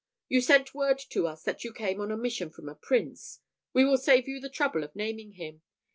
You sent word to us that you came on a mission from a prince. We will save you the trouble of naming him.